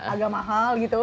agak mahal gitu